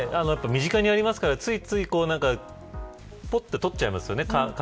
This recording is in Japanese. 身近にありますから、ついつい取ってしまいますよね。